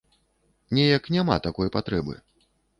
Неяк няма такой патрэбы.